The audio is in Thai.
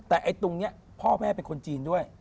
แต่ไอ้ตรงนี้พ่อแม่เป็นคนจีนด้วย